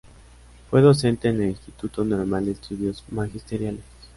Fue docente en el Instituto Normal de estudios magisteriales.